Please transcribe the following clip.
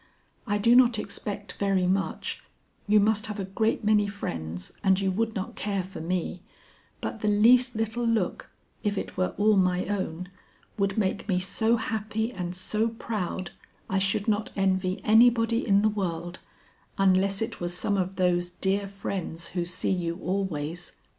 I do not expect very much you must have a great many friends, and you would not care for me but the least little look, if it were all my own, would make me so happy and so proud I should not envy anybody in the world, unless it was some of those dear friends who see you always.